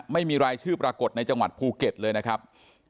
ไม่มีรายชื่อปรากฏในจังหวัดภูเก็ตเลยนะครับ